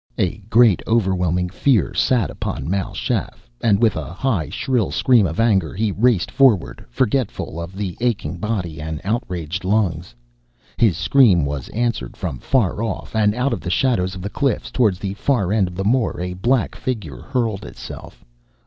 A great, overwhelming fear sat upon Mal Shaff and with a high, shrill scream of anger he raced forward, forgetful of aching body and outraged lungs. His scream was answered from far off, and out of the shadows of the cliffs toward the far end of the moor a black figure hurled itself.